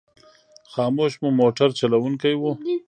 خاموش مو موټر چلوونکی و.